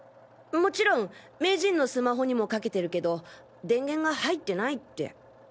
もちろん名人のスマホにもかけてるけど電源が入ってないって。